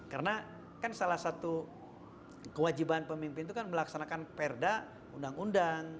karena kan salah satu kewajiban pemimpin itu kan melaksanakan perda undang undang